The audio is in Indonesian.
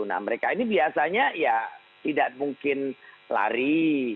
nah mereka ini biasanya ya tidak mungkin lari